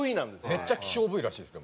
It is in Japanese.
めっちゃ希少部位らしいです。